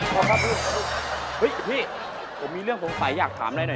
อ๋อไม่สำเร็จหู